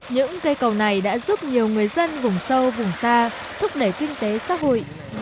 những cây cầu này đã giúp nhiều người dân vùng sâu vùng xa thúc đẩy kinh tế xã hội vươn lên thoát nghèo